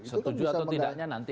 setuju atau tidaknya nanti